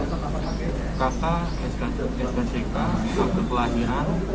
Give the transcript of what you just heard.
kata skck kata kelahiran kejasaan terakhir